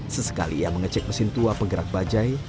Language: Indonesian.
sesekali ia mengecek mesin tua penggerak bajai